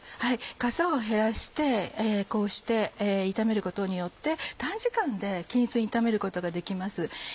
かさを減らしてこうして炒めることによって短時間で均一に炒めることができます。